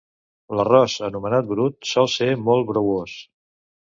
L'arròs anomenat brut sol ser molt brouós